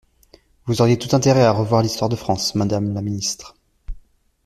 Vous auriez tout intérêt à revoir l’histoire de France, madame la ministre.